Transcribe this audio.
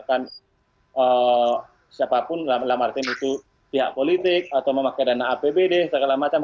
ini tidak pernah melibatkan siapapun dalam arti itu pihak politik atau memakai dana apbd segala macam